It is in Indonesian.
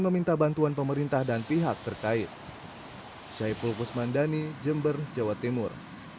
meminta bantuan pemerintah dan pihak terkait syai pulpus mandani jember jawa timur